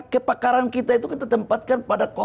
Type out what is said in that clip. kepakaran kita itu kita tempatkan pada